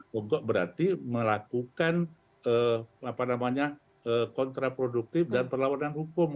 mogok berarti melakukan kontraproduktif dan perlawanan hukum